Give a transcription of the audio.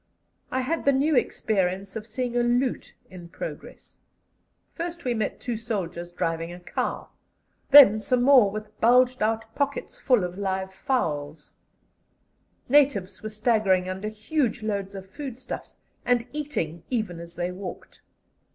I had the new experience of seeing a "loot" in progress. First we met two soldiers driving a cow; then some more with bulged out pockets full of live fowls; natives were staggering under huge loads of food stuffs, and eating even as they walked.